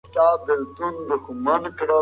تاسي ولي د خپل ارمان په لاره کي ستړي سواست؟